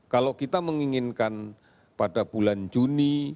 kalau kita menginginkan pada bulan juni